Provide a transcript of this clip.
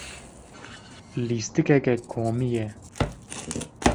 Lîstikeke komî ye.